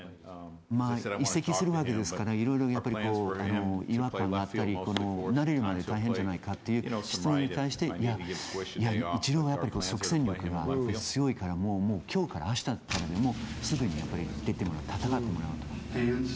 移籍するわけですから、いろいろ違和感があったり、慣れるまで大変じゃないかという質問に対して、イチローは即戦力で強いから、もう今日から明日からでもすぐに出てもらう、戦ってもらうと。